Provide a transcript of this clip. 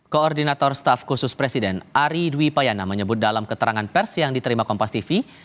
koordinator staff khusus presiden ari dwi payana menyebut dalam keterangan pers yang diterima kompas tv